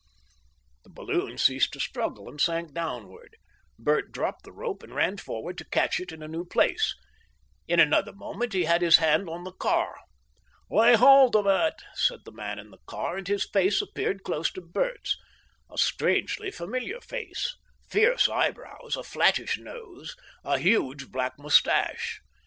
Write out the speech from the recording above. The balloon ceased to struggle, and sank downward. Bert dropped the rope, and ran forward to catch it in a new place. In another moment he had his hand on the car. "Lay hold of it," said the man in the car, and his face appeared close to Bert's a strangely familiar face, fierce eyebrows, a flattish nose, a huge black moustache.